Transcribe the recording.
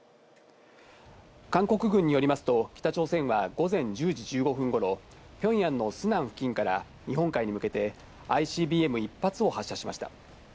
韓国軍によりますと、北朝鮮は午前１０時１５分ごろ、ピョンヤンのスナン付近から日本海に向けて、ＩＣＢＭ１発を発射しました。